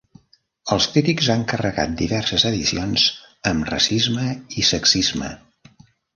Els crítics han carregat diverses edicions amb racisme i sexisme.